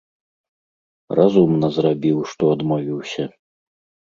Разумна зрабiў, што адмовiўся.